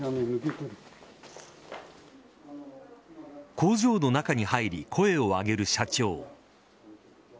工場の中に入り声を上げる社長。